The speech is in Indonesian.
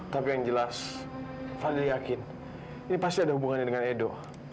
tapi yang jelas fadli yakin ini pasti ada hubungannya dengan edo